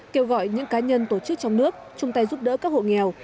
kêu gọi những cá nhân tổ chức trong nước chung tay giúp đỡ các hộ nghèo